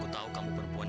ya ampun lupa